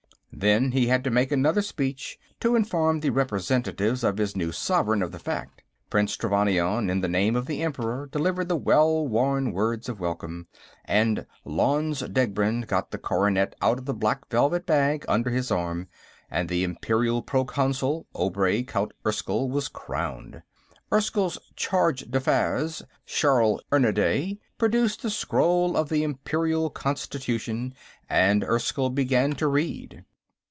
Then he had to make another speech, to inform the representatives of his new sovereign of the fact. Prince Trevannion, in the name of the Emperor, delivered the well worn words of welcome, and Lanze Degbrend got the coronet out of the black velvet bag under his arm and the Imperial Proconsul, Obray, Count Erskyll, was crowned. Erskyll's charge d'affaires, Sharll Ernanday, produced the scroll of the Imperial Constitution, and Erskyll began to read.